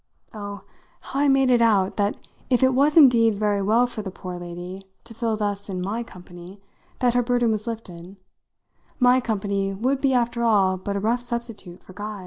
Oh, how I made it out that if it was indeed very well for the poor lady to feel thus in my company that her burden was lifted, my company would be after all but a rough substitute for Guy's!